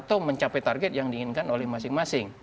atau mencapai target yang diinginkan oleh masing masing